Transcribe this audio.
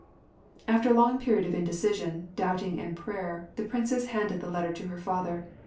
After a long period of indecision, doubting, and prayer, the princess handed the letter to her father.